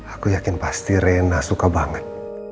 aku yakin pasti rena suka banget